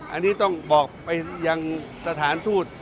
อันนี้ต้องบอกไปยังสถานทูต